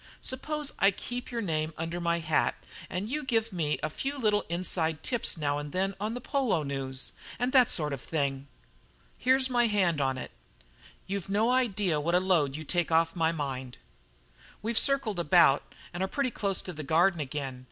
Suppose I keep your name under my hat and you give me a few little inside tips now and then on polo news, and that sort of thing?" "Here's my hand on it. You've no idea what a load you take off my mind." "We've circled about and are pretty close to the Garden again.